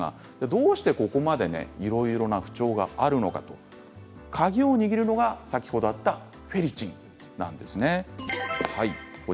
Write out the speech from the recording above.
どうして、ここまでいろいろな不調があるのか鍵を握るのが先ほどあったフェリチンなんです。